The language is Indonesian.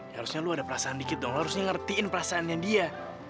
ya harusnya lu ada perasaan dikit dong harusnya ngertiin perasaannya dia